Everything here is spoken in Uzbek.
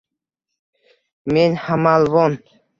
Men hamalvon